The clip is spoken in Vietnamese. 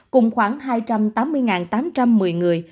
cùng khoảng hai trăm tám mươi tám trăm một mươi người